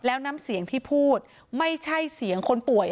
แล้วน้ำเสียงที่พูดไม่ใช่เสียงคนป่วย